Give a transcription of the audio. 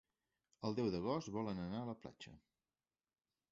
El deu d'agost volen anar a la platja.